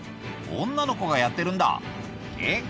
女の子がやってるんだえっ